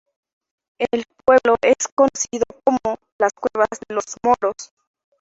En el pueblo es conocido como "las cuevas de los moros".